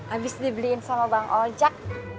abis dibeliin sama bang ojek